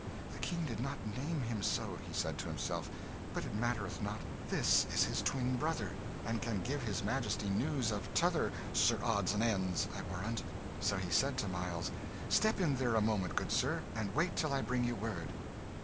"The King did not name him so," he said to himself; "but it mattereth not, this is his twin brother, and can give his Majesty news of t'other Sir Odds and Ends, I warrant." So he said to Miles, "Step in there a moment, good sir, and wait till I bring you word."